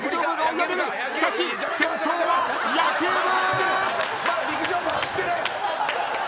しかし先頭は野球部！